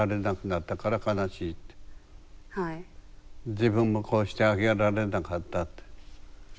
自分もこうしてあげられなかったって。